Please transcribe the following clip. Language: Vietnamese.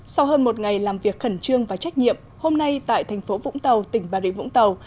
sau hơn một ngày làm việc khẩn trương và trách nhiệm hôm nay tại thành phố vũng tàu tỉnh bà rịa vũng tàu